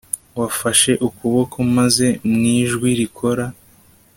wafashe ukuboko, maze mu ijwi rikora